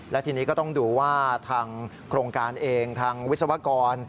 และทีนี้ก็ต้องดูว่าทางโครงการเองทางวิศวกร